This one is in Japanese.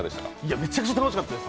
めちゃくちゃ楽しかったです